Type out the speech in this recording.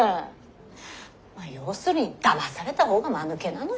まっ要するにだまされたほうがまぬけなのよ。